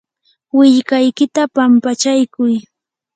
willkaykita pampachaykuy.